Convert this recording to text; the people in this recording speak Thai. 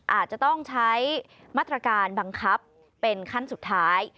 อาจจะต้องใช้มาตรการบังคับเป็นขั้นสุดท้าย